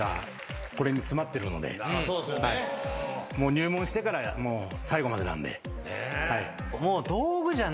入門してから最後までなんで。